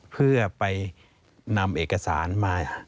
เพื่อไปนำเอกสารมา